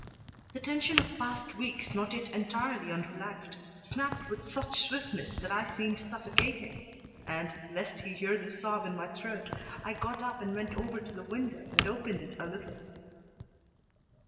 The tension of past weeks, not yet entirely unrelaxed, snapped with such swiftness that I seemed suffocating, and, lest he hear the sob in my throat, I got up and went over to the window and opened it a little.